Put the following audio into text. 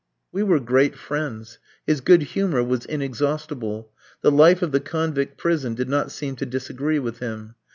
We were great friends: his good humour was inexhaustible. The life of the convict prison did not seem to disagree with him.